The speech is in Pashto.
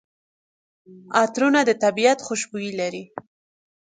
عطرونه د طبیعت خوشبويي لري.